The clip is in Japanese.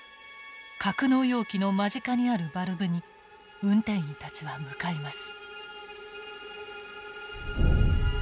格納容器の間近にあるバルブに運転員たちは向かいます。